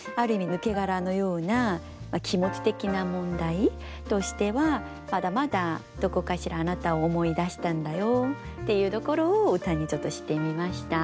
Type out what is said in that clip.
抜け殻のような気持ち的な問題としてはまだまだどこかしらあなたを思い出したんだよっていうところを歌にちょっとしてみました。